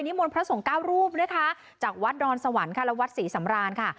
มนต์พระสงฆ์เก้ารูปนะคะจากวัดดอนสวรรค์ค่ะและวัดศรีสำรานค่ะ